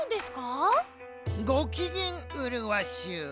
ごきげんうるわしゅう。